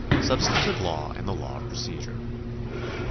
Substantive Law and the Law of Procedure.